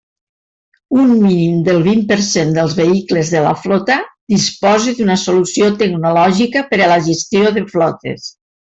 Un mínim del vint per cent dels vehicles de la flota disposa d'una solució tecnològica per a la gestió de flotes.